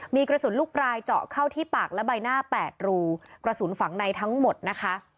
มีกระสุนลูกปลายเจาะเข้าที่ปากและใบหน้า๘รูกระสุนฝังในทั้งหมดนะคะ